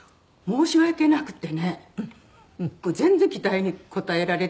申し訳なくて。